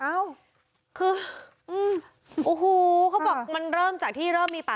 เลยรู้ว่าใครต่อให้นี่คุณนั้นนะคะ